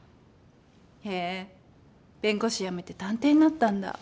へぇ弁護士辞めて探偵になったんだ。